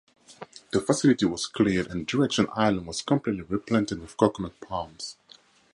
The facility was cleared and Direction Island was completely replanted with coconut palms.